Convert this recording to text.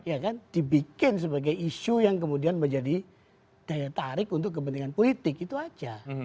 ya kan dibikin sebagai isu yang kemudian menjadi daya tarik untuk kepentingan politik itu aja